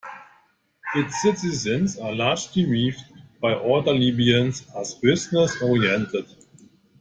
Its citizens are largely viewed by other Libyans as business oriented.